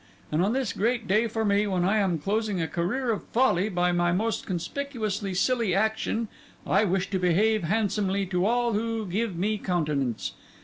And on this great day for me, when I am closing a career of folly by my most conspicuously silly action, I wish to behave handsomely to all who give me countenance.